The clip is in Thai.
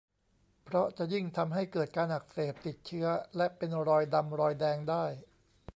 เพราะจะยิ่งทำให้เกิดการอักเสบ ติดเชื้อ และเป็นรอยดำรอยแดงได้